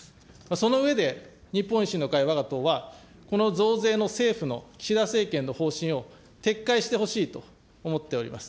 その上で、日本維新の会わが党は、この増税の政府の、岸田政権の方針を撤回してほしいと思っております。